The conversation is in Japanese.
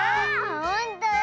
ほんとだ！